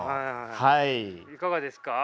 いかがですか？